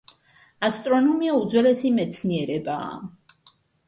ასტრონომია უძველესი მეცნიერებაა.